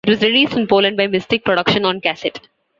It was released in Poland by Mystic Production on cassette.